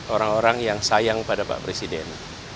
orang orang yang sayang pada pak presiden